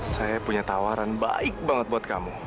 saya punya tawaran baik banget buat kamu